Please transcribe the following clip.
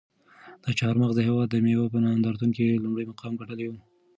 دا چهارمغز د هېواد د مېوو په نندارتون کې لومړی مقام ګټلی و.